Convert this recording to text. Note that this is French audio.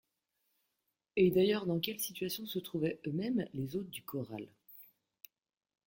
Et d’ailleurs, dans quelle situation se trouvaient eux-mêmes les hôtes du corral?